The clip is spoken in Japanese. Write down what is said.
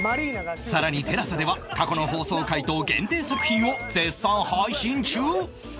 さらに ＴＥＬＡＳＡ では過去の放送回と限定作品を絶賛配信中